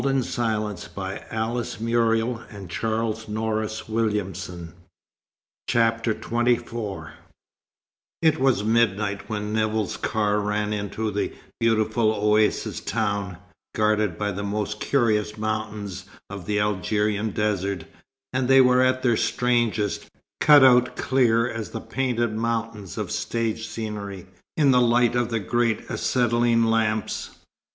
Even if she had wished it, she could not have asked questions now. XXIV It was midnight when Nevill's car ran into the beautiful oasis town, guarded by the most curious mountains of the Algerian desert, and they were at their strangest, cut out clear as the painted mountains of stage scenery, in the light of the great acetylene lamps.